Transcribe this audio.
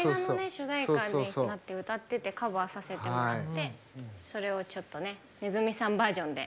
主題歌になって歌っててカバーさせてもらってそれをちょっとねねずみさんバージョンで。